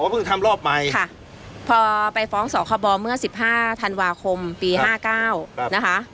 เพิ่งทำรอบใหม่ค่ะพอไปฟ้องสคบเมื่อ๑๕ธันวาคมปี๕๙นะคะ